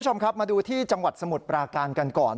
คุณผู้ชมครับมาดูที่จังหวัดสมุทรปราการกันก่อน